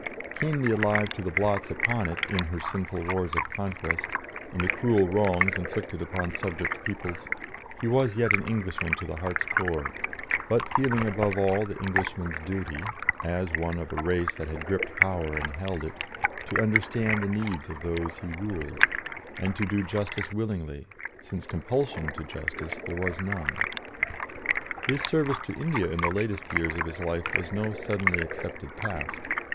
Keenly alive to the blots upon it in her sinful wars of conquest, in the cruel wrongs inflicted upon subject peoples, he was yet an Englishman to the heart's core, but feeling above all the Englishman's duty, as one of a race that had gripped power and held it, to understand the needs of those he ruled, and to do justice willingly, since compulsion to justice there was none. His service to India in the latest years of his life was no suddenly accepted task.